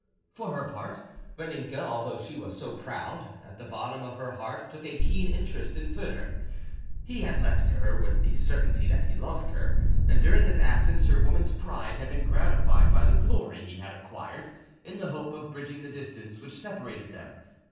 For her part, Vaninka, although she was so proud, at the bottom of her heart took a keen interest in Foedor. He had left her with the certainty that he loved her, and during his absence her woman's pride had been gratified by the glory he had acquired, in the hope of bridging the distance which separated them.